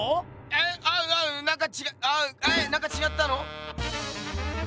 なんかちがったの？